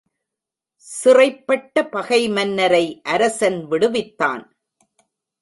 சிறைப்பட்ட பகை மன்னரை அரசன் விடுவித்தான்.